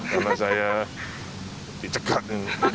karena saya dicegat